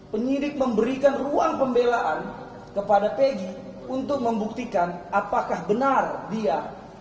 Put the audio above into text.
penyidik memberikan ruang pembelaan kepada pegi untuk membuktikan apakah benar dia